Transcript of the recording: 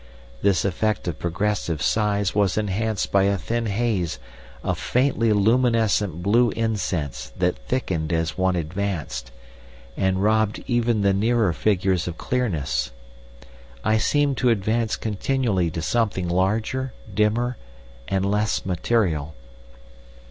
This effect of progressive size was enhanced by a thin haze of faintly phosphorescent blue incense that thickened as one advanced, and robbed even the nearer figures of clearness. I seemed to advance continually to something larger, dimmer, and less material.